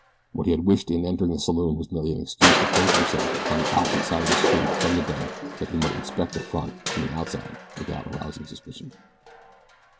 What he had wished in entering the saloon was merely an excuse to place himself upon the opposite side of the street from the bank that he might inspect the front from the outside without arousing suspicion.